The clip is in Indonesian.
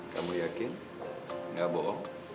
kamu yakin gak bohong